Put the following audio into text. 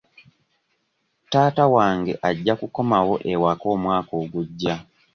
Taata wange ajja kukomawo ewaka omwaka ogujja.